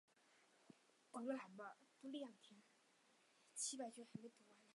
在织田与德川的清洲同盟中作出很大的作用。